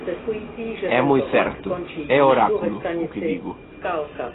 É moi certo, é oráculo, o que digo.